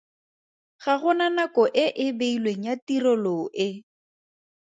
Ga go na nako e e beilweng ya tirelo e.